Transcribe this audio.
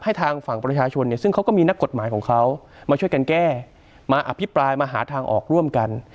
ทางฝั่งประชาชนเนี่ยซึ่งเขาก็มีนักกฎหมายของเขามาช่วยกันแก้มาอภิปรายมาหาทางออกร่วมกัน